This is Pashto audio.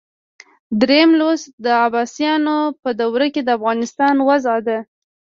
دریم لوست د عباسیانو په دوره کې د افغانستان وضع ده.